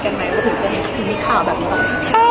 อยู่ที่จะมีข่าวแบบนี้ครับ